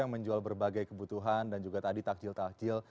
yang menjual berbagai kebutuhan dan juga tadi takjil takjil